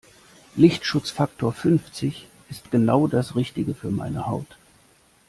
Lichtschutzfaktor fünfzig ist genau das Richtige für meine Haut.